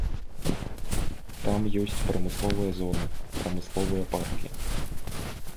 Там ёсць прамысловыя зоны, прамысловыя паркі.